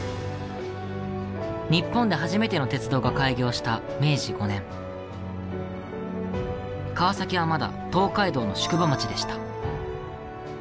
日本で初めての鉄道が開業した明治５年川崎はまだ東海道の宿場町でした。